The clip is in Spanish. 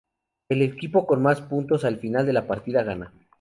El equipo con más puntos al final de la partida gana.